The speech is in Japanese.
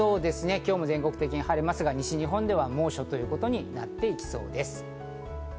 今日も全国的に晴れますが西日本では猛暑ということになっていきそうです。